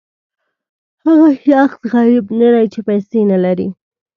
هغه شخص غریب نه دی چې پیسې نه لري.